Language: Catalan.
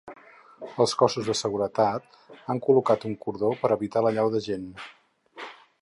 Els cossos de seguretat han col·locat un cordó per evitar l’allau de gent.